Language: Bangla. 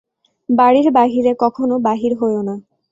বাড়ির বাহিরে কখনো বাহির হইয়ো না।